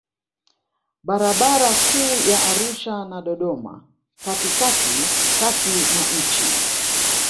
Barabara kuu ya Arusha na Dodoma katikatikati mwa nchi